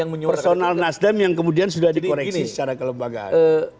personal nasdem yang kemudian sudah dikoreksi secara kelembagaan